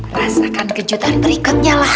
rasakan kejutan berikutnya lah